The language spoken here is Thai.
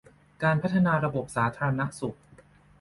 การพัฒนาระบบสาธารณสุข